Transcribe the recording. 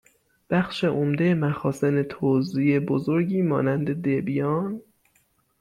بخش عمدهٔ مخازن توزیع بزرگی مانند دبیان